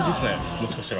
もしかしたら。